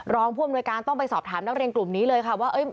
รองผู้อำนวยการต้องไปสอบถามนักเรียนกลุ่มนี้เลยค่ะว่า